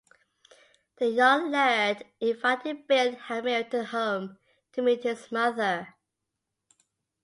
The young Laird invited Bill Hamilton home to meet his mother.